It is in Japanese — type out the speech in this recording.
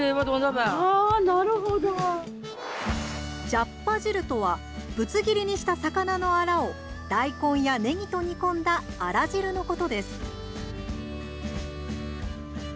じゃっぱ汁とはぶつ切りにした魚のあらを大根やねぎと煮込んだあら汁のことです。